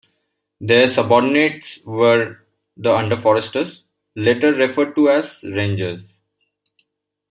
Their subordinates were the under-foresters, later referred to as rangers.